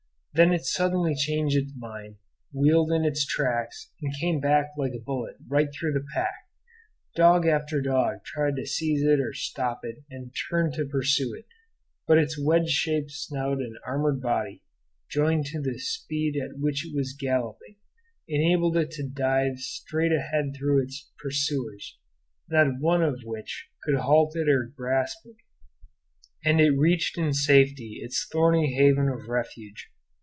Then it suddenly changed its mind, wheeled in its tracks, and came back like a bullet right through the pack. Dog after dog tried to seize it or stop it and turned to pursue it; but its wedge shaped snout and armored body, joined to the speed at which it was galloping, enabled it to drive straight ahead through its pursuers, not one of which could halt it or grasp it, and it reached in safety its thorny haven of refuge.